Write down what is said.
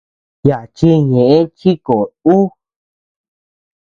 Yaʼa chi ñeʼe chi koʼod ú.